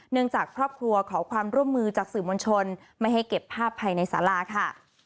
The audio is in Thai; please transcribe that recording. จากครอบครัวขอความร่วมมือจากสื่อมวลชนไม่ให้เก็บภาพภายในสาราค่ะ